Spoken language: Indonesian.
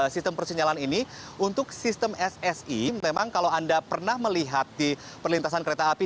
sistem persinyalan ini untuk sistem ssi memang kalau anda pernah melihat di perlintasan kereta api